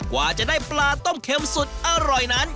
กว่าจะได้ปลาต้มเข็มสุดอร่อยนั้น